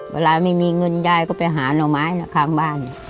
เวลาไม่มีเงินยายก็ไปหาหน่อไม้ข้างบ้าน